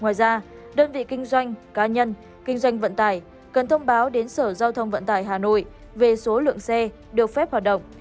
ngoài ra đơn vị kinh doanh cá nhân kinh doanh vận tải cần thông báo đến sở giao thông vận tải hà nội về số lượng xe được phép hoạt động